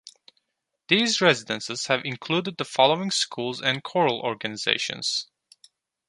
These residencies have included the following schools and choral organizations.